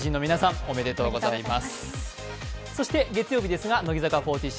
ありがとうございます。